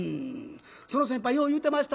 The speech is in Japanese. その先輩よう言うてましたね